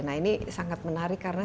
nah ini sangat menarik karena